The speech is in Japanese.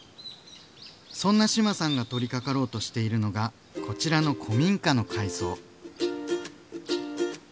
そんな志麻さんが取りかかろうとしているのがこちらの古民家の改装。